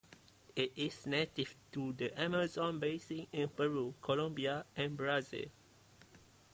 It is native to the Amazon Basin in Peru, Colombia, and Brazil.